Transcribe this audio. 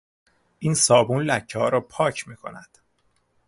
این صابون لکهها را پاک میکند.